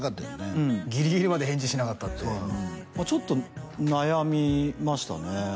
うんギリギリまで返事しなかったってちょっと悩みましたね